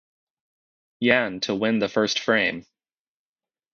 Yan to win the first frame.